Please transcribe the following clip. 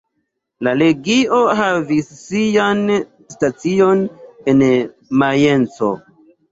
La legio havis sian stacion en Majenco.